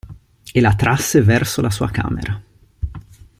E la trasse verso la sua camera.